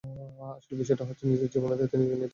আসল বিষয়টা হচ্ছে, নিজের জীবনের দায়িত্ব নিজেকে নিতে হয়।